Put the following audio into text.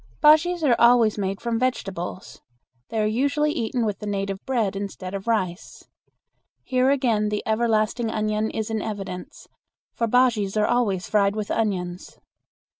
Bujeas are always made from vegetables. They are usually eaten with the native bread instead of rice. Here again the everlasting onion is in evidence, for bujeas are always fried with onions.